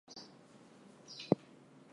It is the only Pusheta Township statewide.